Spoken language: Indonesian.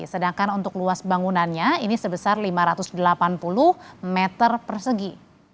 sedangkan untuk luas bangunannya ini sebesar lima ratus delapan puluh meter persegi